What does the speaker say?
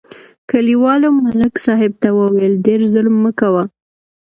کلیوالو ملک صاحب ته وویل: ډېر ظلم مه کوه.